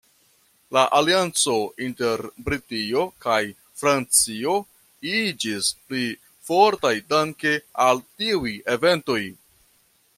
La alianco inter Britio kaj Francio iĝis pli fortaj danke al tiuj eventoj.